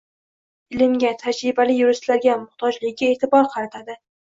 ilmga, tajribali yuristlarga muxtojligiga e`tibor qaratadi.